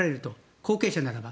後継者ならば。